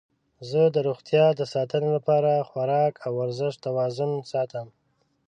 زه د روغتیا د ساتنې لپاره د خواراک او ورزش توازن ساتم.